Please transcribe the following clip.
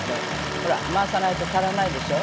ほら回さないと足らないでしょ。